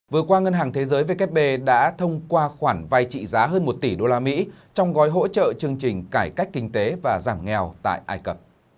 vừa qua ngân hàng thế giới vkp đã thông qua khoản vay trị giá hơn một tỷ usd trong gói hỗ trợ chương trình cải cách kinh tế và giảm nghèo tại ai cập